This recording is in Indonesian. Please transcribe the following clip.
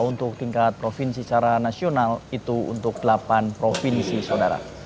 untuk tingkat provinsi secara nasional itu untuk delapan provinsi saudara